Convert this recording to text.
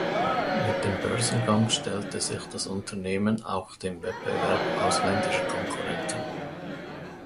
Mit dem Börsengang stellte sich das Unternehmen auch dem Wettbewerb ausländischer Konkurrenten.